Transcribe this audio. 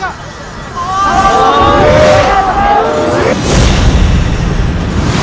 pada saat ini kami akan memberikan info